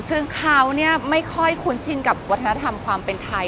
ซึ่งเขาไม่ค่อยคุ้นชินกับวัฒนธรรมความเป็นไทย